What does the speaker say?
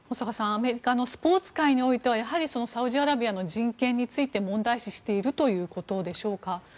アメリカのスポーツ界においてはサウジアラビアの人権について問題視しているということでしょうか。